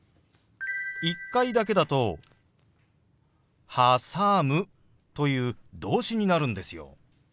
１回だけだと「はさむ」という動詞になるんですよ。